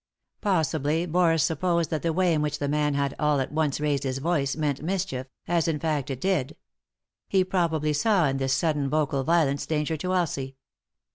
Possibly Boris supposed that the way in which the man had all at once raised his voice meant mischief, as, in fact, it did. He probably saw in this sudden vocal violence danger to Elsie.